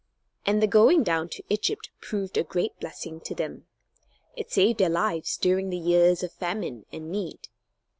And the going down to Egypt proved a great blessing to them. It saved their lives during the years of famine and need.